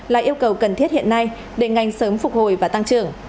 là yêu cầu cần thiết hiện nay để ngành sớm phục hồi và tăng trưởng